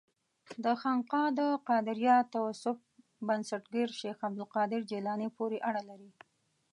دا خانقاه د قادریه تصوف بنسټګر شیخ عبدالقادر جیلاني پورې اړه لري.